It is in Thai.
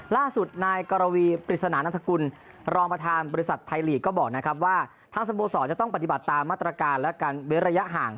ล่าสุดนายกรวีปริศนานันทกุลรองประธานบริษัทไทยลีกก็บอกนะครับว่าทางสโมสรจะต้องปฏิบัติตามมาตรการและการเว้นระยะห่าง